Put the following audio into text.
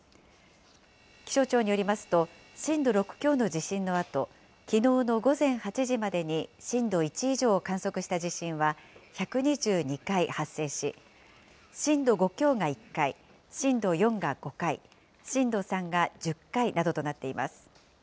気象庁によりますと、震度６強の地震のあと、きのうの午前８時までに震度１以上を観測した地震は１２２回発生し、震度５強が１回、震度４が５回、震度３が１０回などとなっています。